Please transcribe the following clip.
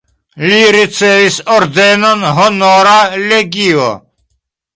Li ricevis ordenon Honora legio.